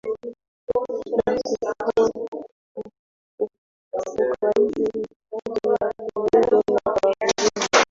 na kufurahia hifadhi ya kulungu na karibu na